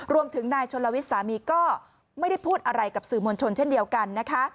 รวมถึงนายชนลวิทย์สามีก็ไม่ได้พูดอะไรกับสื่อมวลชนเช่นเดียวกันนะคะ